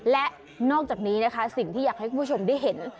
และนอกจากนี้นะคะสิ่งที่อยากให้คุณผู้ชมได้เห็น